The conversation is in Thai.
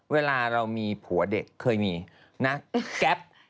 เวลาเรามีผัวเด็กเคยมีนะแก๊ป